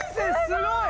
すごい！